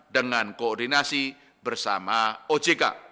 dengan koordinasi bersama ojk